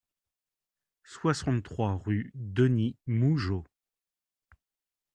soixante-trois rue Denis Mougeot